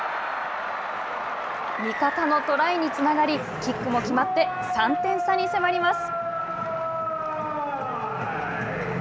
味方のトライにつながり、キックも決まって３点差に迫ります。